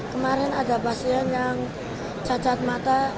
kemarin ada pasien yang cacat mata